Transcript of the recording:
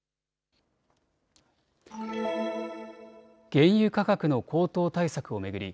原油価格の高騰対策を巡り